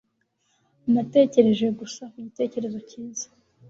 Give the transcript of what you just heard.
Natekereje gusa ku gitekerezo cyiza.